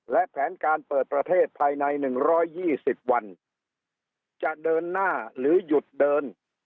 และแผนการเปิดประเทศภายในหนึ่งร้อยยี่สิบวันจะเดินหน้าหรือหยุดเดิน